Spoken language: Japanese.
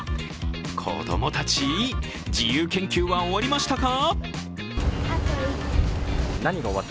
子供たち、自由研究は終わりましたか？